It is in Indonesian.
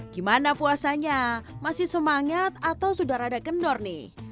gimana puasanya masih semangat atau sudah rada kendor nih